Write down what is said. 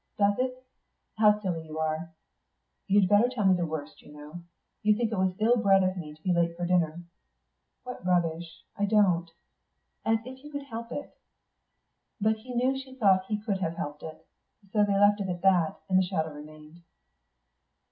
"Does it? How silly you are." "You'd better tell me the worst, you know. You think it was ill bred of me to be late for dinner." "What rubbish; I don't. As if you could help it." But he knew she thought he could have helped it. So they left it at that, and the shadow remained.